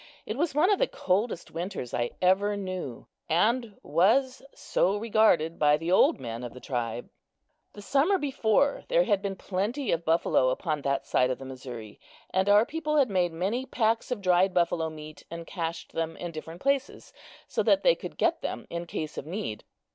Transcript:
It was one of the coldest winters I ever knew, and was so regarded by the old men of the tribe. The summer before there had been plenty of buffalo upon that side of the Missouri, and our people had made many packs of dried buffalo meat and cached them in different places, so that they could get them in case of need.